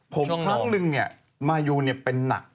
ผมครั้งนึงมายูเป็นหนัก